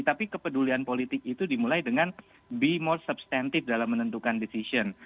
tapi kepedulian politik itu dimulai dengan be more substantif dalam menentukan decision